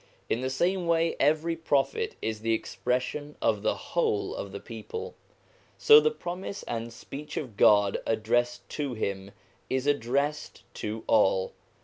In the same way, every Prophet is the expression of the whole of the people. So the promise and speech of God addressed to him is addressed to all.